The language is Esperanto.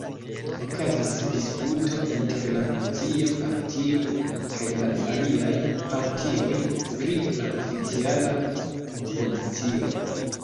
Okazis disputo inter la Nacia Partio kaj la aliaj partioj pri la oficiala opozicio.